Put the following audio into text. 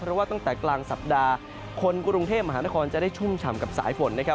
เพราะว่าตั้งแต่กลางสัปดาห์คนกรุงเทพมหานครจะได้ชุ่มฉ่ำกับสายฝนนะครับ